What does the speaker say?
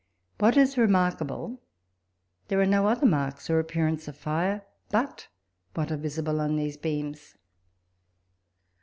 What is remarkable, there are no other marks or appearance of fire, but what are visible on these beams.